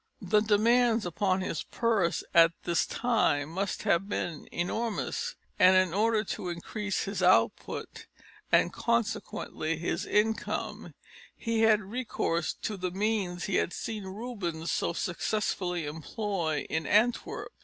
The demands upon his purse at this time must have been enormous, and in order to increase his output, and consequently his income, he had recourse to the means he had seen Rubens so successfully employ in Antwerp.